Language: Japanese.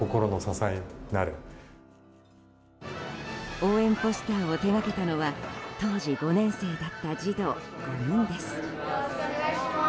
応援ポスターを手掛けたのは当時５年生だった児童５人です。